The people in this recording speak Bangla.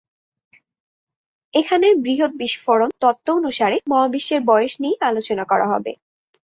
এখানে বৃহৎ বিস্ফোরণ তত্ত্ব অনুসারে মহাবিশ্বের বয়স নিয়েই আলোচনা করা হবে।